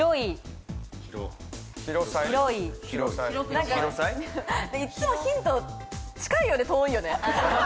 何かいっつもヒント近いようで遠いよね。